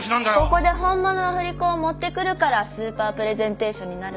ここで本物の振り子を持ってくるからスーパープレゼンテーションになるんでしょ？